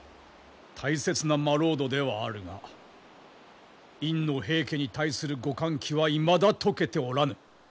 大切な客人ではあるが院の平家に対するご勘気はいまだ解けておらぬ。